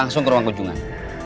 langsung ke ruang kunjungan